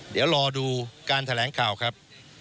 เดี๋ยวรอดูการแถลงข่าวครับ